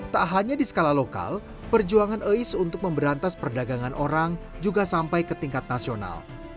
tak hanya di skala lokal perjuangan ais untuk memberantas perdagangan orang juga sampai ke tingkat nasional